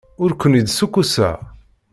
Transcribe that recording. Ur ken-id-ssukkuseɣ.